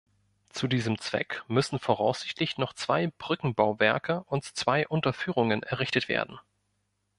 Zu diesem Zweck müssen voraussichtlich noch zwei Brückenbauwerke und zwei Unterführungen errichtet werden.